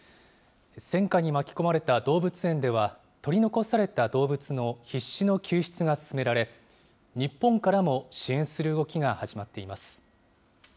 戦火に巻き込まれた動物園では、取り残された動物の必死の救出が進められ、日本からも支援する動きが始まっています。